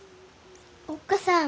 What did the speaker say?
おっ母さん